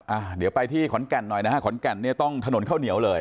อ่ะเดี๋ยวไปที่ขอนแก่นหน่อยนะฮะขอนแก่นเนี่ยต้องถนนข้าวเหนียวเลย